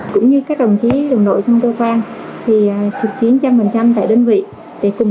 cũng như các đồng chí đồng đội trong cơ quan thì trực chiến trăm phần trăm tại đơn vị để cùng